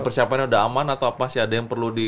persiapannya udah aman atau apa sih ada yang perlu di